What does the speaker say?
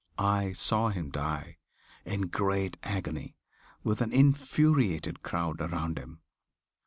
I saw him die, in great agony, with an infuriated crowd around him.